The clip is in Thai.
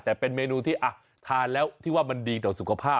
แต่เป็นเมนูที่ทานแล้วที่ว่ามันดีต่อสุขภาพ